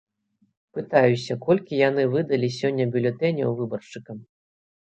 Пытаюся, колькі яны выдалі сёння бюлетэняў выбаршчыкам.